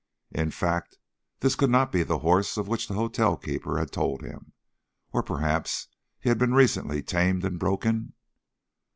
In fact, this could not be the horse of which the hotelkeeper had told him, or perhaps he had been recently tamed and broken?